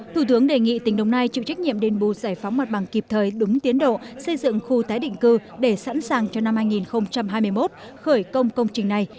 thủ tướng đề nghị tỉnh đồng nai chịu trách nhiệm đền bù giải phóng mặt bằng kịp thời đúng tiến độ xây dựng khu tái định cư để sẵn sàng cho năm hai nghìn hai mươi một khởi công công trình này